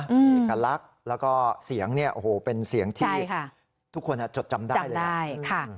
เอกลักษณ์แล้วก็เสียงเนี่ยโอ้โหเป็นเสียงที่ทุกคนจดจำได้เลยใช่ค่ะ